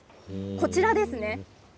こちらですね。